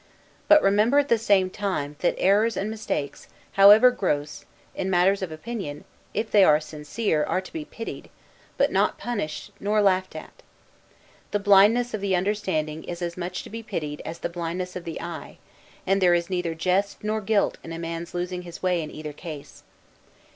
But remember, at the same time, that errors and mistakes, however gross, in matters of opinion, if they are sincere, are to be pitied, but not punished nor laughed at. The blindness of the understanding is as much to be pitied as the blindness of the eye; and there is neither jest nor guilt in a man's losing his way in either case.